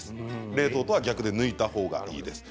冷凍とは逆で抜いたほうがいいです。